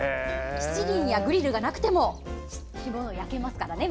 七輪やグリルがなくても干物、焼けますからね。